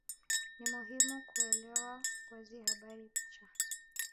Ni muhimu kuelewa wazi habari picha